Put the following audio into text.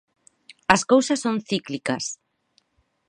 As cousas son cíclicas.